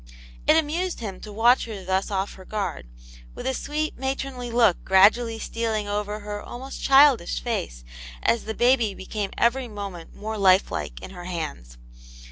• It amused him to watch her thus 08" her guard, with a sweet matronly look gradually stealing over her almost childish face as the baby be came every moment more life like in her hands.